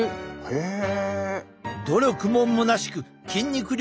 へえ。